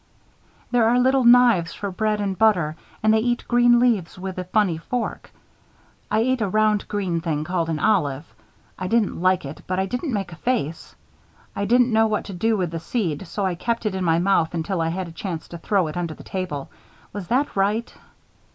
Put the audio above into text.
There are little knives for bread and butter and they eat green leaves with a funny fork. I ate a round green thing called an olive. I didn't like it but I didn't make a face. I didn't know what to do with the seed so I kept it in my mouth until I had a chance to throw it under the table. Was that right?